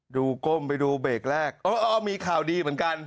ก้มไปดูเบรกแรกเออมีข่าวดีเหมือนกัน